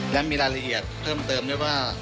และมีรายละเอียดเพิ่มเติมด้วยว่า